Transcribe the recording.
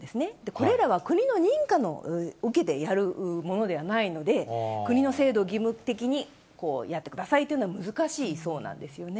これらは国の認可を受けてやるものではないので、国の制度を義務的にやってくださいというのは難しいそうなんですよね。